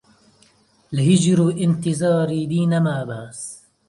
لە هیجر و ئینتیزار ئیدی نەما باس